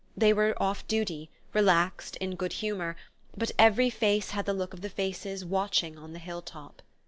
They were off duty, relaxed, in a good humour; but every face had the look of the faces watching on the hill top.